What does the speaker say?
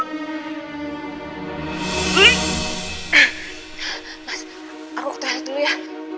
mas aku ketahuan dulu ya